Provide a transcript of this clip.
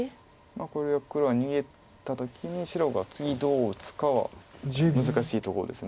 これで黒は逃げた時に白が次どう打つかは難しいところです。